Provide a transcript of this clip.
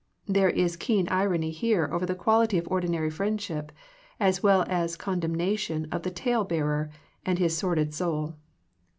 There is keen irony here over the quality of ordinary friendship, as well as condemnation of the tale bearer and his sordid soul.